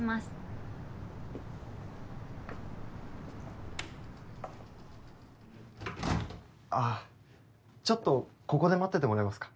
パチンあっちょっとここで待っててもらえますか？